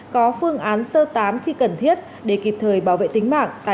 có phương án sơ tán khi cần thiết để kịp thời bảo vệ tính mạng tài sản của người dân